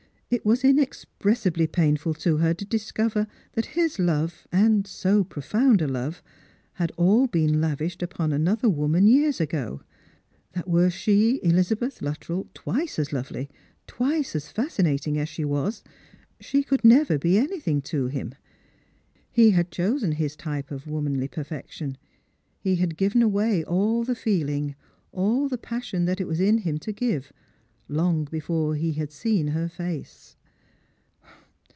t was inexpressibly painful to her to discover that his love — and 60 profound, a love — had all been lavished upon another woman years ago ; that were she, Elizabeth Luttrell, twice as lovely, twice as fascinating as she was, she could never be anything to him. He had chosen his type of womanly perfection ; he had giveq away all the feeling, all the passion that it was in him to give, long before he had seen her face.